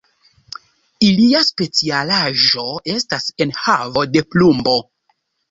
Ilia specialaĵo estas enhavo de plumbo.